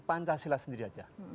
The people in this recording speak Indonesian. pancasila sendiri saja